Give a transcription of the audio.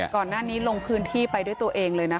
ก่อนหน้านี้ลงพื้นที่ไปด้วยตัวเองเลยนะคะ